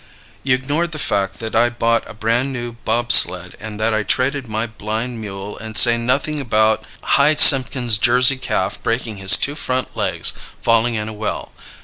You ignor the fact that i bot a bran new bob sled and that I traded my blind mule and say nothin about Hi Simpkins jersey calf breaking his two front legs fallin in a well.